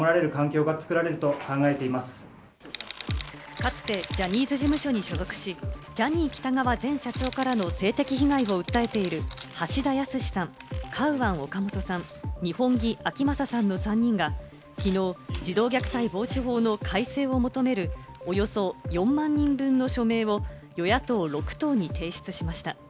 かつてジャニーズ事務所に所属し、ジャニー喜多川前社長からの性的被害を訴えている橋田康さん、カウアン・オカモトさん、二本樹顕理さんの３人が、きのう児童虐待防止法の改正を求める、およそ４万人分の署名を与野党６党に提出しました。